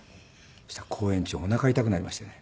そしたら公演中おなかが痛くなりましてね。